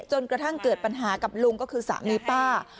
จนกระทั่งเกิดปัญหากับลุงก็คือสามีป้า